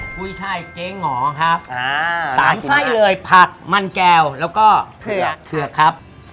โอเคมาจิ้มเลยนะคะเจ๊หงอครับสามไส้เลยผักมันแก่วแล้วก็เคือกค่ะ